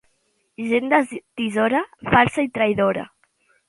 Gent de tisora, falsa i traïdora.